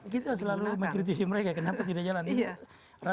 kita selalu mengkritisi mereka kenapa tidak jalan dengan baik